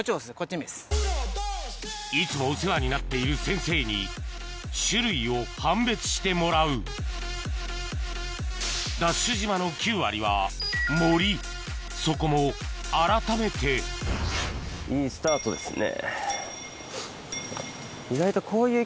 いつもお世話になっている先生に種類を判別してもらうＤＡＳＨ島の９割は森そこもあらためていいスタートですね。